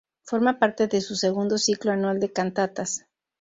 Forma parte de su segundo ciclo anual de cantatas.